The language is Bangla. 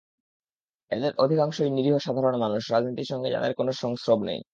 এদের অধিকাংশই নিরীহ সাধারণ মানুষ, রাজনীতির সঙ্গে যাদের কোনো সংস্রব নেই।